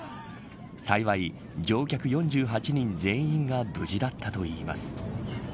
幸い、乗客４８人全員が無事だったといいます。